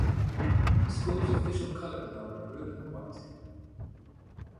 The school's official colors are maroon and white.